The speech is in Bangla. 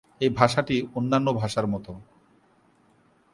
এই ভাষাটি অন্যান্য ভাষার মতো।